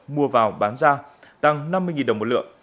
mua vào bán ra tăng năm mươi đồng một lượng